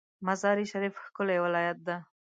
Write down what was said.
مزار شریف ښکلی ولایت ده